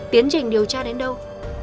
tiến trình điều tra đến đâu